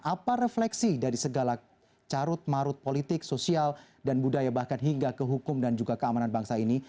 apa refleksi dari segala carut marut politik sosial dan budaya bahkan hingga ke hukum dan juga keamanan bangsa ini